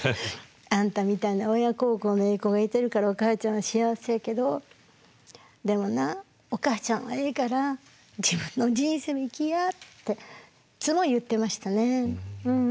「あんたみたいな親孝行のええ子がいてるからおかあちゃんは幸せやけどでもなおかあちゃんはええから自分の人生を生きや」っていつも言ってましたね。